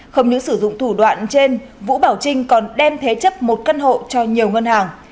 không những sử dụng thủ đoạn trên vũ bảo trinh còn đem thế chấp một căn hộ cho nhiều ngân hàng